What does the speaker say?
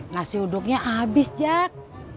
nasi uduknya abis jack